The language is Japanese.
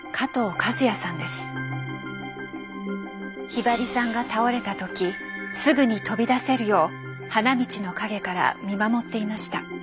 ひばりさんが倒れた時すぐに飛び出せるよう花道の陰から見守っていました。